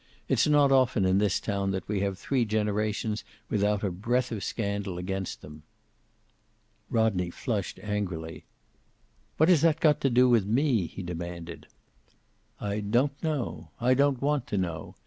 It's not often in this town that we have three generations without a breath of scandal against them." Rodney flushed angrily. "What has that got to do with me?" he demanded. "I don't know. I don't want to know.